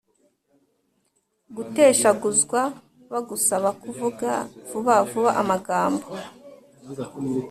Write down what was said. guteshaguzwa: "bagusaba kuvuga vuba vuba amagambo